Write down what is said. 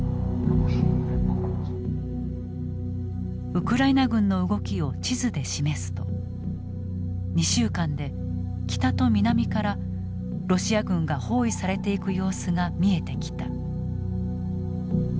ウクライナ軍の動きを地図で示すと２週間で北と南からロシア軍が包囲されていく様子が見えてきた。